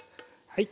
はい。